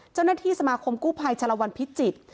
เจ้าหน้าที่สมาคมกู้ภัยชะละวันพิจิตร